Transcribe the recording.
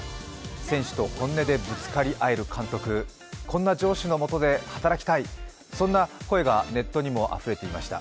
選手と本音でぶつかり合える監督、こんな上司の下で働きたい、そんな声がネットにもあふれていました。